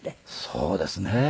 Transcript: そうですね。